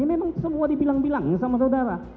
ini memang semua dibilang bilang sama saudara